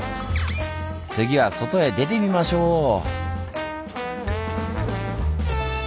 次は外へ出てみましょう。